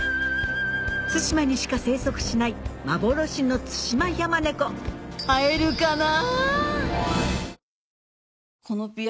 対馬にしか生息しない幻のツシマヤマネコ会えるかな？